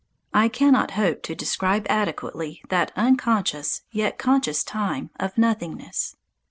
I cannot hope to describe adequately that unconscious, yet conscious time of nothingness.